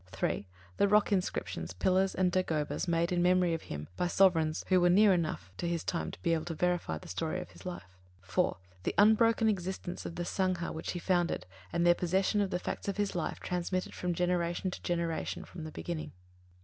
(3) The rock inscriptions, pillars and dagobas made in memory of him by sovereigns who were near enough to his time to be able to verify the story of his life. (4) The unbroken existence of the Sangha which he founded, and their possession of the facts of his life transmitted from generation to generation from the beginning.